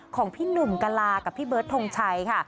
ของพี่หนุ่มกะลากับพี่เบิร์ดทงชัยค่ะ